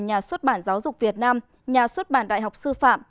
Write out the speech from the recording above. nhà xuất bản giáo dục việt nam nhà xuất bản đại học sư phạm